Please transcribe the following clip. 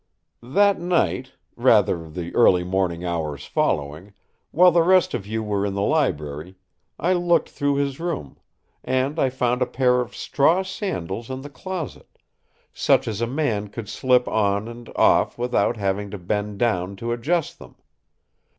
"That night rather, the early morning hours following while the rest of you were in the library, I looked through his room, and I found a pair of straw sandals in the closet such as a man could slip on and off without having to bend down to adjust them.